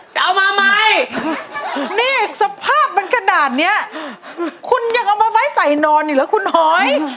จะเอามาไหมนี่สภาพมันขนาดเนี้ยคุณยังเอามาไว้ใส่นอนอีกเหรอคุณหอย